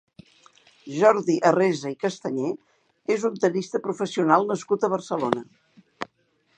Jordi Arrese i Castañé és un tennista professional nascut a Barcelona.